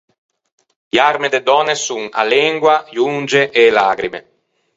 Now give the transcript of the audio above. E arme de dònne son a lengua, e onge e e lagrime.